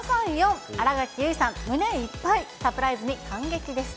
新垣結衣さん胸いっぱい、サプライズに感激です。